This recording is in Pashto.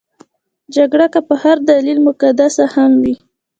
جګړه که په هر دلیل مقدسه هم وي.